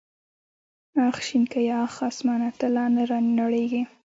اخ شنکيه اخ اسمانه ته لا نه رانړېږې.